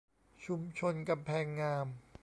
ชุมชนกำแพงงาม